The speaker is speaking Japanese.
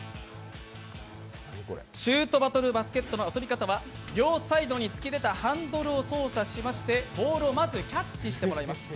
「シュートバトルバスケット」の遊び方は両サイドに突き出たハンドルを操作しまして、ボールをまずキャッチしてもらいます。